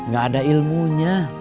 gak ada ilmunya